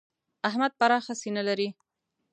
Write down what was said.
احمد پراخه سینه لري.